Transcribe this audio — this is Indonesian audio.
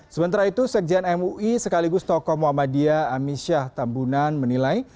sementara itu sekjian mui sekaligus tokom muhammadiyah aminsyah tambunan menilai